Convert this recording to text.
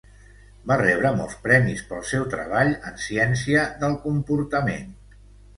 Va rebre molts premis pel seu treball en ciència del comportament.